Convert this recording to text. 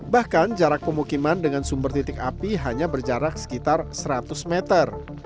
bahkan jarak pemukiman dengan sumber titik api hanya berjarak sekitar seratus meter